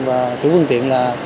và chủ phương tiện là